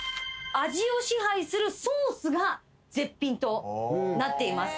味を支配するソースが絶品となっています。